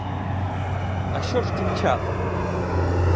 А що ж дівчата?